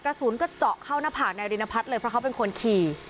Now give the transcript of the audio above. กระสุนก็เจาะเข้าหน้าผากนายรินพัฒน์เลยเพราะเขาเป็นคนขี่